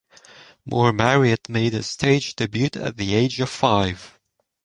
Moore Marriott made his stage debut at the age of five.